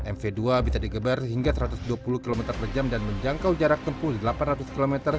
mv dua bisa digeber hingga satu ratus dua puluh km per jam dan menjangkau jarak tempuh delapan ratus km